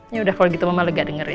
yaudah kalau gitu mama lega dengernya